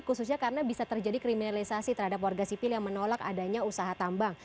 khususnya karena bisa terjadi kriminalisasi terhadap warga sipil yang menolak adanya usaha tambang